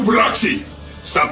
dan ini adalah kekuatanmu